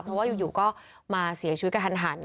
เพราะว่าอยู่ก็มาเสียชีวิตกระทันหัน